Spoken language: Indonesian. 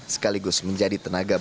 sekaligus menjadi tenaga batas